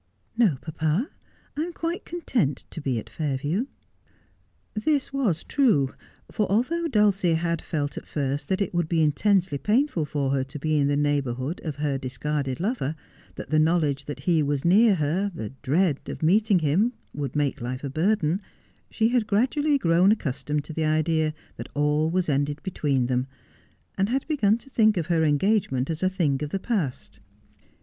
' No, papa, I am quite content to be at Fairview.' This was true, for although Dulcie had felt at first that it would be intensely painful for her to be in the neighbourhood of her discarded lover, that the knowledge that he was near her, the dread of meeting him would make life a burden, she had gradually grown accustomed to the idea that all was ended Drifting Apart. 261 between them, and had begun to think of her engagement as a thing of the past.